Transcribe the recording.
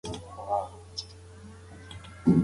کاکا یې ورته وخندل او ویې ویل چې ستا پوښتنه اشتباه ده.